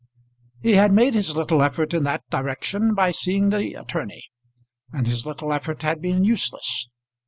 He had made his little effort in that direction by seeing the attorney, and his little effort had been useless.